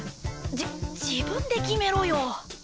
じ自分で決めろよ